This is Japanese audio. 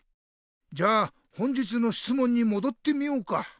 じゃあ本日のしつもんにもどってみようか。